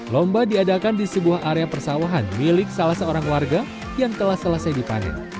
lomba diadakan di sebuah area persawahan milik salah seorang warga yang telah selesai dipanen